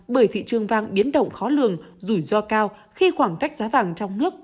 bởi thị trường vàng biến động khó lường rủi ro cao khi khoảng cách giá vàng trong nước